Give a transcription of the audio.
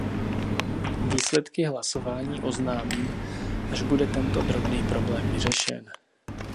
Výsledky hlasování oznámím, až bude tento drobný problém vyřešen.